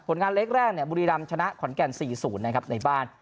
งานเล็กแรกบุรีรำชนะขอนแก่น๔๐นะครับในบ้าน